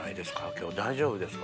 今日大丈夫ですか？